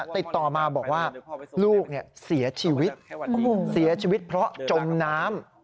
ติดต่อมาบอกว่าลูกเสียชีวิตเสียชีวิตเพราะจมน้ำ